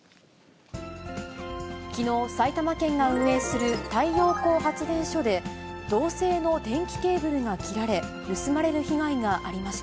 きのう、埼玉県が運営する太陽光発電所で、銅製の電気ケーブルが切られ、盗まれる被害がありました。